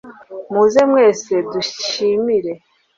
muze mwese dushimire